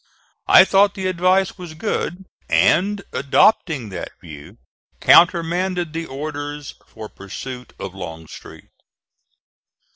I thought the advice was good, and, adopting that view, countermanded the orders for pursuit of Longstreet.